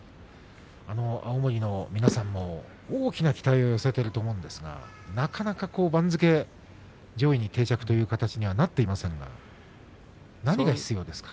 青森の皆さんも大きな期待を寄せていると思うんですがなかなか番付が上位に定着という形になっていませんね、何が必要でしょうか。